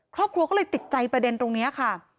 ครอบครัวก็เลยติดใจประเด็นตรงนี้ค่ะ